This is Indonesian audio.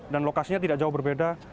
dan lokasinya tidak jauh berbeda